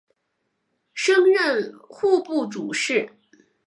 升任户部主事。